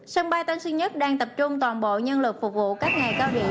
sân bay tân sư nhất đang tập trung toàn bộ nhân lực phục vụ các ngày cao điểm